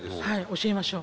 教えましょう。